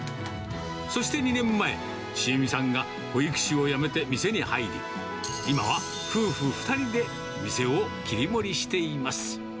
そして２年前、千栄美さんが保育士を辞めて店に入り、今は夫婦２人で店を切り盛りしています。